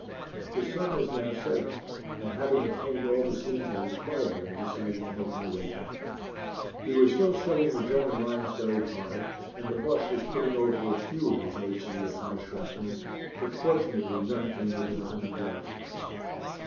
The sun was now setting, and having obtained all the scenes I required, I decided to make my way back. We were still shelling the German lines very hard, and the Bosche was putting over a few of his H.E. and high shrapnel, but fortunately none came within a hundred yards of us.